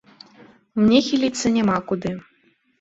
Мне хіліцца няма куды.